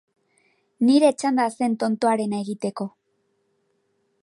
Nire txanda zen tontoarena egiteko.